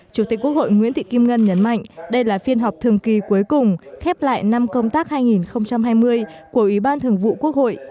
chủ tịch quốc hội nguyễn thị kim ngân nhấn mạnh đây là phiên họp thường kỳ cuối cùng khép lại năm công tác hai nghìn hai mươi của ủy ban thường vụ quốc hội